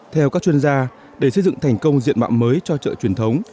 theo các chuyên gia để xây dựng thành công diện mạo mới cho trợ truyền thống